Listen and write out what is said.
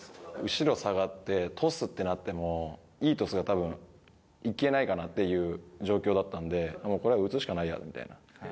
後ろ下がって、トスってなっても、いいトスがたぶん、いけないかなっていう状況だったんで、もうこれは打つしかないって。